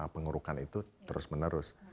pengurukan itu terus menerus